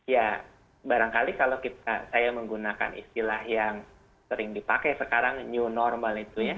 ya barangkali kalau saya menggunakan istilah yang sering dipakai sekarang new normal itu ya